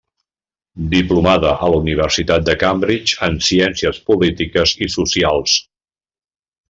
Diplomada a la Universitat de Cambridge en Ciències polítiques i socials.